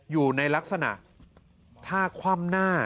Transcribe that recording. อยู่ในลักษณะท่าคว่ำหน้า